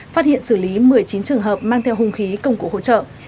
phát hiện xử lý một mươi chín trường hợp mang theo hung khí công cụ hỗ trợ